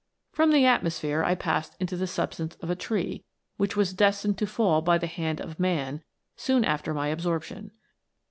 "From the atmosphere I passed into the substance of a tree, which was destined to fall by the hand of man soon after my absorption.